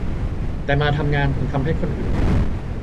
แต่มาทำงานจนทำให้คนอื่น